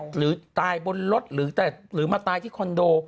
หรือตายบนรถหรือมาตายที่คอนโด